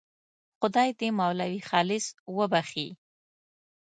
خدای دې مولوي خالص وبخښي.